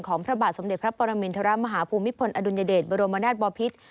พระบาทสมเด็จพระปรมินทรมาฮภูมิพลอดุลยเดชบรมนาศบอพิษ